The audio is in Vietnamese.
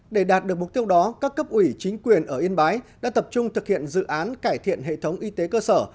để đạt được mục tiêu đó các cấp ủy chính quyền ở yên bái đã tập trung thực hiện dự án cải thiện hệ thống y tế cơ sở